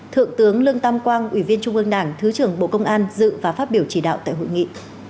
thượng tướng lương tam quang ủy viên trung ương đảng thứ trưởng bộ công an dự và phát biểu chỉ đạo tại hội nghị